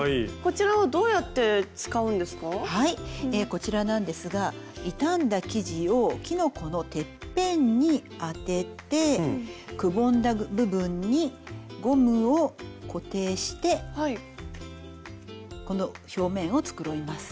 こちらなんですが傷んだ生地をキノコのてっぺんに当ててくぼんだ部分にゴムを固定してこの表面を繕います。